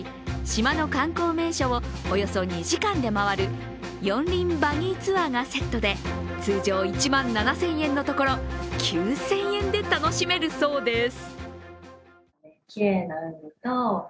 島の観光名所をおよそ２時間で回る４輪バギーツアーがセットで通常１万７０００円のところ９０００円で楽しめるそうです。